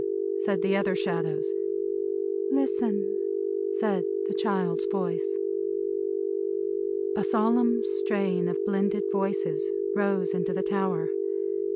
said the other Shadows. "Listen!" said the child's voice. A solemn strain of blended voices rose into the tower.